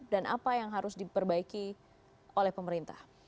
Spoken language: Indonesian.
dan apa yang harus diperbaiki oleh pemerintah